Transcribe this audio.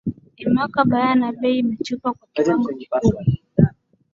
imeweka bayana bei imechupa kwa kiwango kikubwa